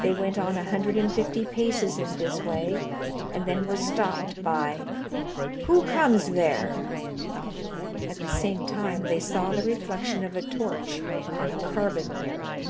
They went on a hundred and fifty paces in this way, and then were stopped by, "Who comes there?" At the same time they saw the reflection of a torch on a carbine barrel.